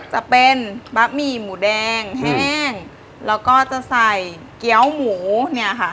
จะเป็นบะหมี่หมูแดงแห้งแล้วก็จะใส่เกี้ยวหมูเนี่ยค่ะ